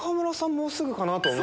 もうすぐかなとは。